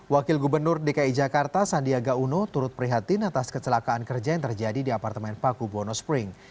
wakil gubernur dki jakarta sandiaga uno turut prihatin atas kecelakaan kerja yang terjadi di apartemen paku buwono spring